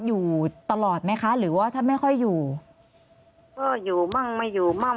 อยู่ตลอดไหมคะหรือว่าถ้าไม่ค่อยอยู่ก็อยู่มั่งไม่อยู่มั่ง